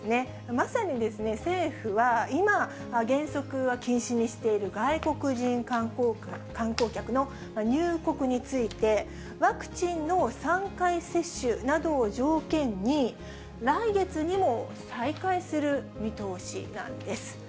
まさに政府は、今、原則は禁止にしている外国人観光客の入国について、ワクチンの３回接種などを条件に、来月にも再開する見通しなんです。